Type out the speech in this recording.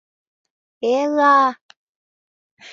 Э-ы-а!..